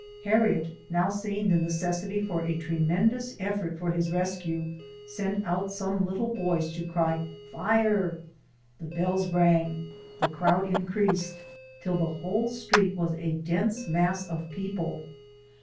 Harriet, now seeing the necessity for a tremendous effort for his rescue, sent out some little boys to cry fire. The bells rang, the crowd increased, till the whole street was a dense mass of people.